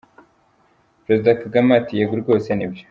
Perezida Kagame ati :”Yego rwose ni byo.